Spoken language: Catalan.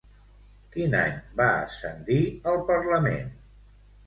Quin any va ascendir al Parlament?